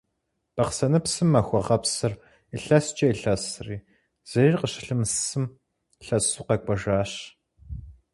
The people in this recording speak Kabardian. Бахъсэныпсым Махуэгъэпсыр илъэскӏэ илъэсри, зыри къыщылъымысым, лъэсу къэкӏуэжащ.